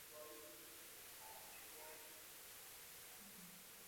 যে পরিমাণ টাকা তিনি জমিয়ে গেছেন সেটা অধস্তন তিন পুরুষকে অধঃপাতে দেবার পক্ষে যথেষ্ট।